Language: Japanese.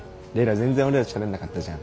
全然俺らとしゃべんなかったじゃん。